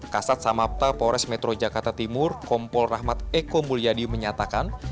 kasat samapta polres metro jakarta timur kompol rahmat eko mulyadi menyatakan